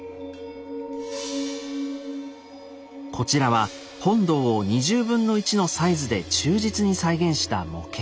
こちらは本堂を２０分の１のサイズで忠実に再現した模型。